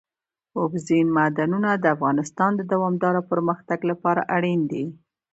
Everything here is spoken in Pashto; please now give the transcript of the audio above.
اوبزین معدنونه د افغانستان د دوامداره پرمختګ لپاره اړین دي.